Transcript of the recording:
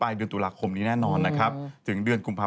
มานี่กรมอูตู้นี่นะคะก็คาดการณ์มาแล้วนะคะว่า